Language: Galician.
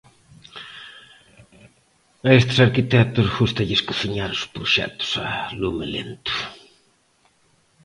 A estes arquitectos gústalles cociñar os proxectos a lume lento.